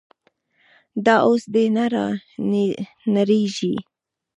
دا اوس دې نه رانړېږي.